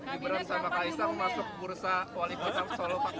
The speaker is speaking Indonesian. ibran sama kaisang masuk bursa wali kota solo pak